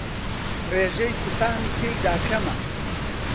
ڕێژەی کوتان تێیدا کەمە